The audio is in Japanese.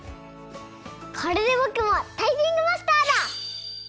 これでぼくもタイピングマスターだ！